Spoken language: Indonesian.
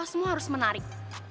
lo semua harus menarik